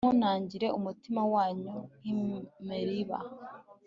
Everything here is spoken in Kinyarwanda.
ntimunangire umutima wanyu nk'i meriba